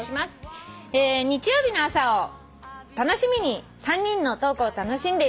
「日曜日の朝を楽しみに３人のトークを楽しんでいます」